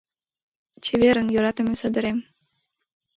Чеверын, йӧратыме садерем.